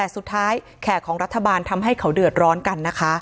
แต่สุดท้ายแขกของรัฐบาลทำให้เขาเดือดร้อนกันนะคะ